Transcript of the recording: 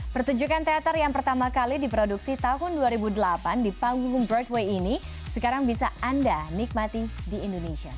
pertunjukan teater yang pertama kali diproduksi tahun dua ribu delapan di panggung broadway ini sekarang bisa anda nikmati di indonesia